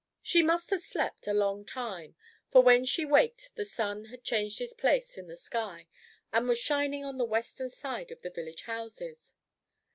] She must have slept a long time, for when she waked the sun had changed his place in the sky, and was shining on the western side of the village houses.